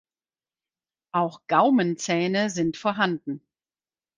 Auch Gaumenzähne sind vorhanden.